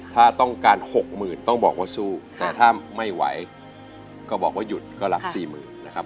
ถ้าต้องการ๖๐๐๐ต้องบอกว่าสู้แต่ถ้าไม่ไหวก็บอกว่าหยุดก็รับ๔๐๐๐นะครับ